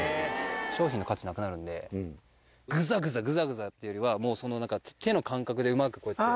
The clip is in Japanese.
商品の価値なくなるんでグザグザグザグザっていうよりはもうその何か手の感覚でうまくこうやって。